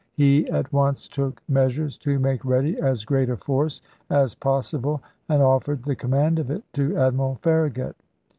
He at chap. hi. once took measures to make ready as great a force as possible and offered the command of it to weiiesto Admiral Farragut.